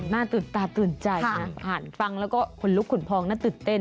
หน้าตื่นตาตื่นใจนะอ่านฟังแล้วก็ขนลุกขุนพองน่าตื่นเต้น